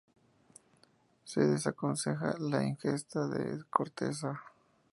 Se desaconseja la ingesta de la corteza.